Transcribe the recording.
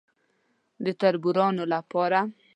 _د تربرونو له پاره.